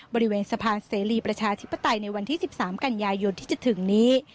บริเวณสะพานเสรีประชาธิปไตยในวันที่๑๓กันยายนที่จะถึงนี้